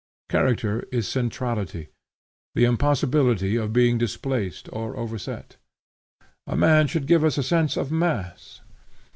Character is centrality, the impossibility of being displaced or overset. A man should give us a sense of mass.